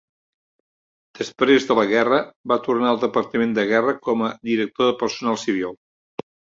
Després de la guerra, va tornar al Departament de Guerra com a director de personal civil.